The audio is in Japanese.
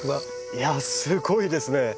いやすごいですね。